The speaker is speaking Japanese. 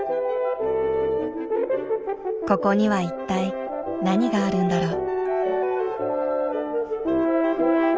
ここには一体何があるんだろう？